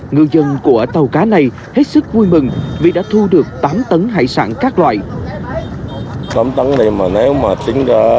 ngư dân của tàu cá này hết sức vui mừng vì đã thu được tám tấn hải sản các loại